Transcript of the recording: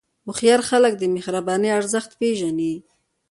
هوښیار خلک د مهربانۍ ارزښت پېژني.